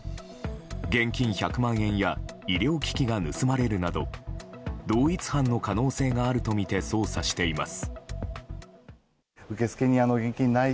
現金１００万円や医療機器が盗まれるなど同一犯の可能性があるとみて捜査しています。